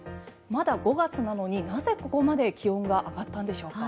まだ５月なのになぜここまで気温が上がったんでしょうか。